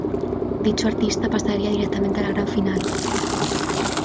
Dicho artista pasaría directamente a la gran final.